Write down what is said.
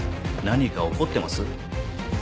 何か怒ってます？